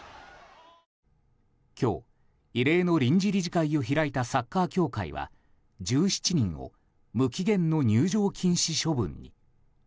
今日、異例の臨時理事会を開いたサッカー協会は１７人を無期限の入場禁止処分に。